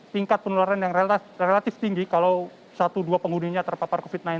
tingkat penularan yang relatif tinggi kalau satu dua penghuninya terpapar covid sembilan belas